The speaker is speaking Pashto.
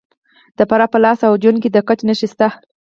د فراه په لاش او جوین کې د ګچ نښې شته.